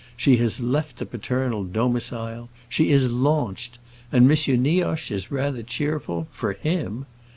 She has left the paternal domicile. She is launched! And M. Nioche is rather cheerful—for him!